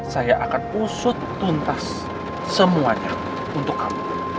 saya akan usut tuntas semuanya untuk kamu